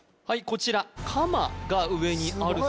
こちら鎌が上にあるそうです